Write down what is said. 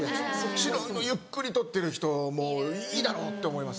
白いのゆっくり取ってる人もういいだろ！って思います。